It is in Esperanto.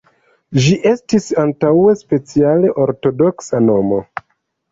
Ĝi estis antaŭe speciale ortodoksa nomo.